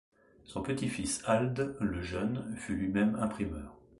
Son petit-fils Alde le Jeune fut lui-même imprimeur.